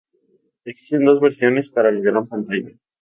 Existen dos versiones para la gran pantalla.